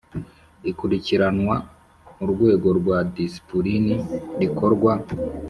Ikurikiranwa mu rwego rwa disipulini rikorwa